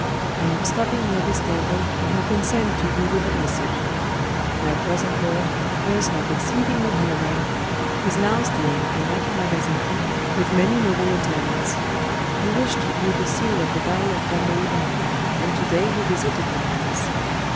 "I am stopping near this temple, and have been sent to you with a message. My present lord, a person of exceedingly high rank, is now staying in Akamagaséki, with many noble attendants. He wished to view the scene of the battle of Dan no ura; and to day he visited that place.